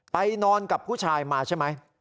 ไปนอนกับผู้ชายมาใช่ไหม